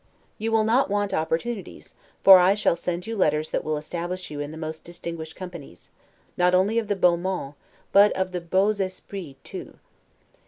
You will not want opportunities, for I shall send you letters that will establish you in the most distinguished companies, not only of the beau monde, but of the beaux esprits, too.